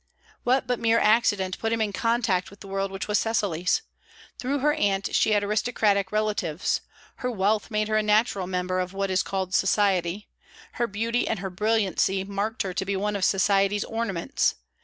What but mere accident put him in contact with the world which was Cecily's? Through her aunt she had aristocratic relatives; her wealth made her a natural member of what is called society; her beauty and her brilliancy marked her to be one of society's ornaments.